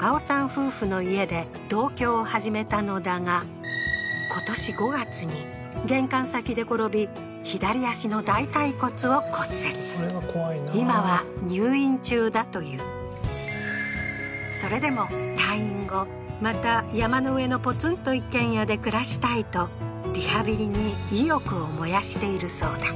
夫婦の家で同居を始めたのだが今年５月に玄関先で転び左足の大たい骨を骨折今は入院中だというそれでも退院後また山の上のポツンと一軒家で暮らしたいとリハビリに意欲を燃やしているそうだ